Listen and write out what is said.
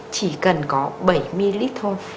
chỉ cần có bảy ml thôi